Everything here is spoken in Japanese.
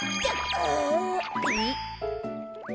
あえっ！？